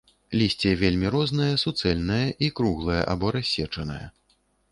Лісце вельмі рознае, суцэльнае і круглае або рассечанае.